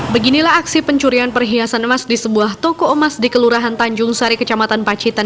beginilah aksi pencurian perhiasan emas di sebuah toko emas di kelurahan tanjung sari kecamatan pacitan